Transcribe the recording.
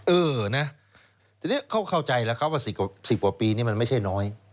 เออนะทีนี้เขาเข้าใจแล้วครับว่า๑๐กว่าปีนี้มันไม่ใช่น้อย